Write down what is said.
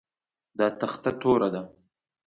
دا تخته توره ده